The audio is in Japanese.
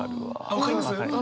分かります？